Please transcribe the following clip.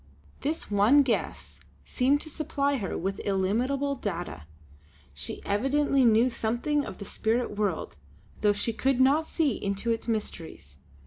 This one guess seemed to supply her with illimitable data; she evidently knew something of the spirit world, though she could not see into its mysteries.